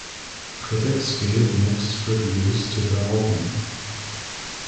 Critics gave mixed reviews to the album.